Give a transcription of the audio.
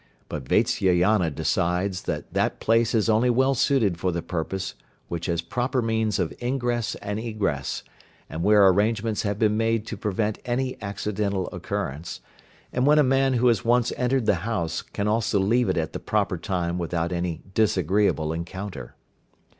But Vatsyayana decides that that place is only well suited for the purpose which has proper means of ingress and egress, and where arrangements have been made to prevent any accidental occurrence, and when a man who has once entered the house, can also leave it at the proper time without any disagreeable encounter.